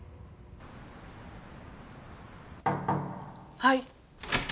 はい。